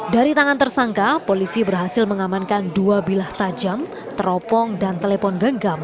dari tangan tersangka polisi berhasil mengamankan dua bilah tajam teropong dan telepon genggam